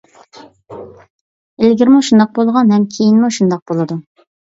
ئىلگىرىمۇ شۇنداق بولغان ھەم كېيىنمۇ شۇنداق بولىدۇ.